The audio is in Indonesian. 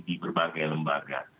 di berbagai lembaga